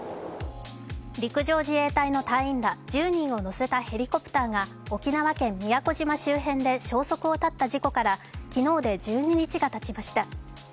陸上自衛隊の隊員ら１０人を乗せたヘリコプターが沖縄県・宮古島周辺で消息を絶った事故から昨日で１２日がたちました。